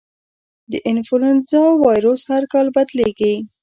د انفلوېنزا وایرس هر کال بدلېږي.